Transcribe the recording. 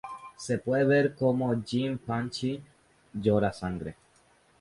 Se puede ver como Jinpachi llora sangre.